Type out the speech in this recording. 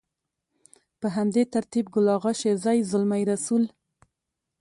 په همدې ترتيب ګل اغا شېرزي، زلمي رسول.